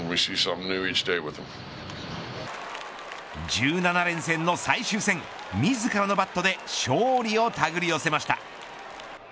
１７連戦の最終戦自らのバットで勝利をたぐり寄せました。